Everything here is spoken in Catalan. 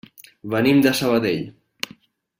Venim de Sabadell.